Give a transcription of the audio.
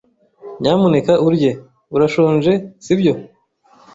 Nyamuneka urye. Urashonje, si byo?